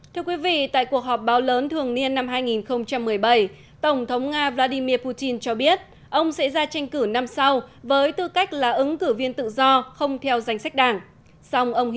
thưa quý vị tại cuộc họp báo lớn thường niên năm hai nghìn một mươi bảy tổng thống nga vladimir putin cho biết ông sẽ ra tranh cử năm sau với tư cách là ứng cử viên tự do không theo danh sách đảng